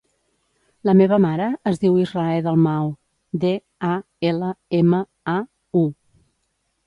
La meva mare es diu Israe Dalmau: de, a, ela, ema, a, u.